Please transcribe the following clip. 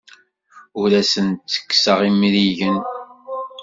Ur asen-ttekkseɣ imrigen.